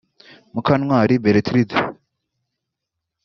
Mukantwari Berthilde